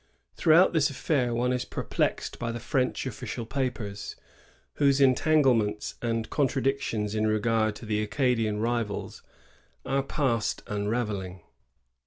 Throughout this affair one is perplexed by the French official papers, whose entanglements and contradictions in regard to the Acadian rivals are past uniayelling.